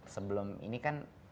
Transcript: sebelum ini kan